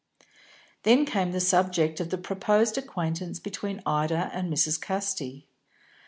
Then came the subject of the proposed acquaintance between Ida and Mrs. Casti.